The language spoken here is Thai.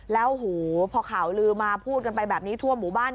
แล้วโอ้โหพอข่าวลือมาพูดกันไปแบบนี้ทั่วหมู่บ้าน